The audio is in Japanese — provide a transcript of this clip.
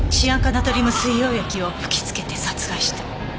ナトリウム水溶液を吹き付けて殺害した。